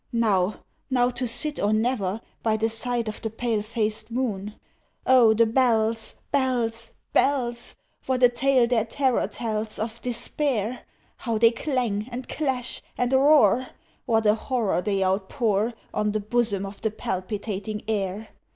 Now now to sit or never, By the side of the pale faced moon. Oh, the bells, bells, bells! What a tale their terror tells Of Despair! How they clang, and clash, and roar! What a horror they outpour On the bosom of the palpitating air!